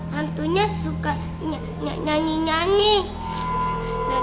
hantunya suka nyanyi nyanyi